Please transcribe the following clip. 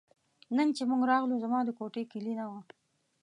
نن چې موږ راغلو زما د کوټې کیلي نه وه.